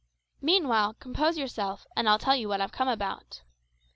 Meanwhile compose yourself, and I'll tell you what I've come about.